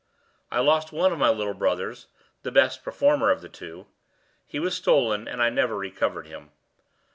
I lost one of my little brothers the best performer of the two; he was stolen, and I never recovered him.